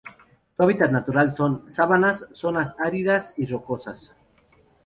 Su hábitat natural son: Sabanas zonas áridas y rocosas.